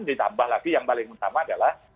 jadi tambah lagi yang paling utama adalah